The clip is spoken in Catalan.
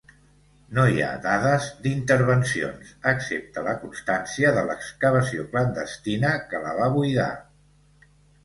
No hi ha dades d'intervencions, excepte la constància de l'excavació clandestina que la va buidar.